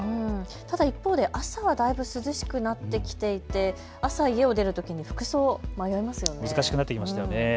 ただ一方で朝はだいぶ涼しくなってきていて朝、家を出るときに服装迷いますが難しくなっていますよね。